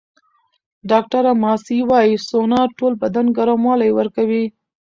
ډاکټره ماسي وايي، سونا ټول بدن ګرموالی ورکوي.